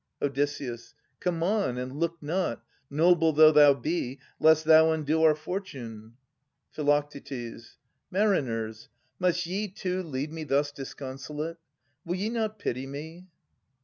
Od. Come on, and look not, noble though thou be. Lest thou undo our fortune. Phi. Mariners, Must ye, too, leave me thus disconsolate? Will ye not pity me?